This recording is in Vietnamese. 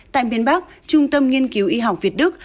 tại miền bắc trung tâm nghiên cứu y học việt đức